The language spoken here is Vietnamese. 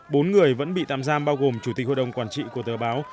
bốn người vẫn bị tạm giam bao gồm chủ tịch hội đồng quản trị của tờ báo